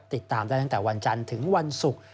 ติดตามได้ตั้งแต่วันจันทร์ถึงวันศุกร์